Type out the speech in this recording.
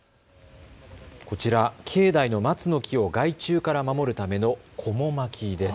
こちら、境内の松の木を害虫から守るためのこも巻きです。